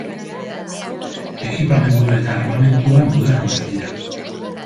Ekipamendua eta armamentua modernoak dira.